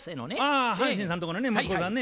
あ阪神さんとこのね息子さんね。